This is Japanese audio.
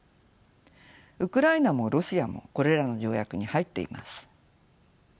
ウクライナもロシアもこれらの条約に入っています。